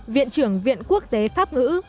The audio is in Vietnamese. viện trưởng viện quốc tế pháp ngữ